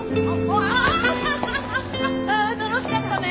ああ楽しかったね。